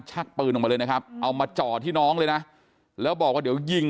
ชักปืนออกมาเลยนะครับเอามาจ่อที่น้องเลยนะแล้วบอกว่าเดี๋ยวยิง